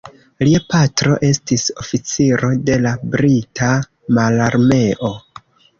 Lia patro estis oficiro de la brita mararmeo.